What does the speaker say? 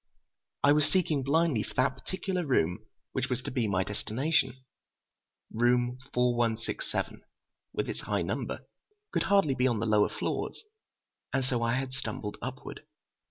I was seeking blindly for that particular room which was to be my destination. Room 4167, with its high number, could hardly be on the lower floors, and so I had stumbled upward....